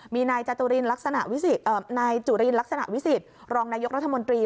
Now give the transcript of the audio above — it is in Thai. มีนายจุรินลักษณะวิสิตรองนายกรรธมนตรี